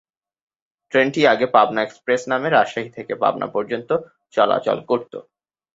ট্রেনটি আগে পাবনা এক্সপ্রেস নামে রাজশাহী থেকে পাবনা পর্যন্ত চলাচল করতো।